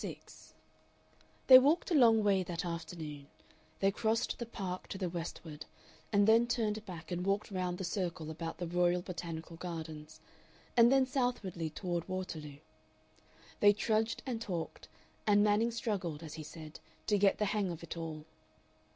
Part 6 They walked a long way that afternoon. They crossed the Park to the westward, and then turned back and walked round the circle about the Royal Botanical Gardens and then southwardly toward Waterloo. They trudged and talked, and Manning struggled, as he said, to "get the hang of it all."